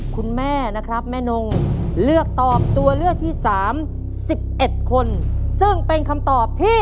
คุณแม่นะครับแม่นงเลือกตอบตัวเลือกที่๓๑๑คนซึ่งเป็นคำตอบที่